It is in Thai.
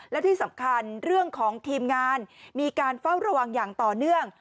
และที่สำคัญเรื่องของทีมงานมีการเฝ้าระวังอย่างต่อเนื่อง